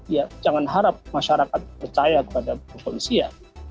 ya jangan harap masyarakat percaya kepada polisi ya